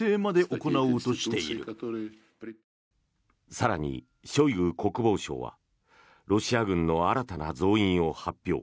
更に、ショイグ国防相はロシア軍の新たな増員を発表。